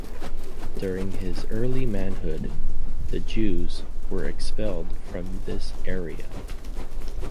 During his early manhood, the Jews were expelled from this area.